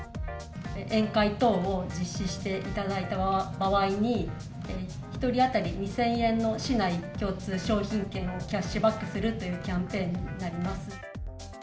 宴会等を実施していただいた場合に、１人当たり２０００円の市内共通商品券をキャッシュバックするというキャンペーンになります。